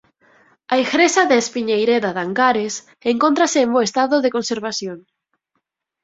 A Igrexa de Espiñeireda de Ancares encóntrase en bo estado de conservación.